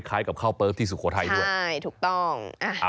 คล้ายกับข้าวเปิ๊บที่สุโขทัยด้วยเอาล่ะใช่ถูกต้อง